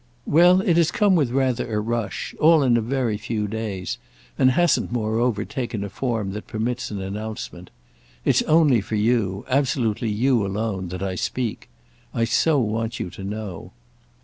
"Well, it has come with rather a rush—all in a very few days; and hasn't moreover yet taken a form that permits an announcement. It's only for you—absolutely you alone—that I speak; I so want you to know."